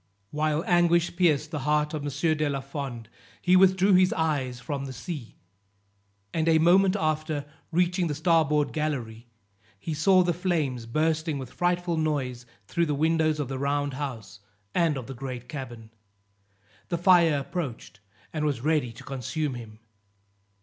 While anguish pierced the heart of M. de la Fond, he withdrew his eyes from the sea; and a moment after, reaching the starboard gallery, he saw the flames bursting with frightful noise through the windows of the round house and of the great cabin. The fire approached, and was ready to consume him.